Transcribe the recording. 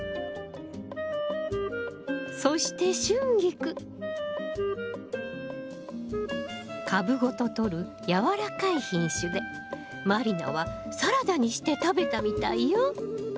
そして株ごととる柔らかい品種で満里奈はサラダにして食べたみたいよ！